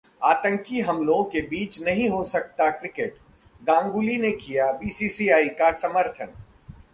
आतंकी हमलों के बीच नहीं हो सकता क्रिकेट, गांगुली ने किया बीसीसीआई का समर्थन